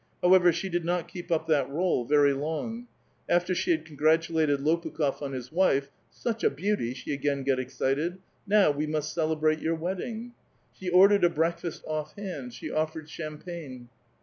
However, she did not keep up that r61e very long. After she had congratulated Lopukh6f on his wife, ''such a beauty," she again got ex cited. '' Now. we must celebrate your wedding." She ordered a breakfast off hand ; she offered champagne.